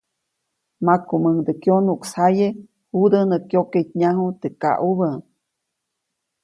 Makumuŋde kyonuʼksjaye judä nä kyoketnyaju teʼ kaʼubä.